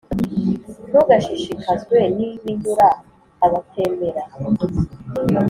Ntugashishikazwe n’ibinyura abatemera,